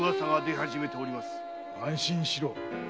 安心しろ。